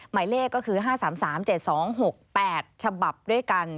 หมายเลขก็คือ๕๓๓๗๒๖๘ฉบับด้วยกัน